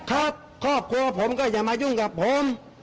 ครอบครัวผมก็อย่ามายุ่งกับผม